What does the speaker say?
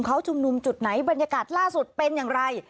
เขาชุมนุมจุดไหนบรรยากาศล่าสุดเป็นอย่างไร